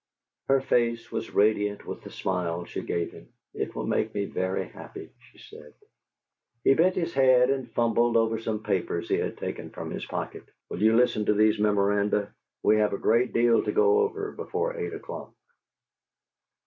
Her face was radiant with the smile she gave him. "It will make me very happy," she said. He bent his head and fumbled over some papers he had taken from his pocket. "Will you listen to these memoranda? We have a great deal to go over before eight o'clock."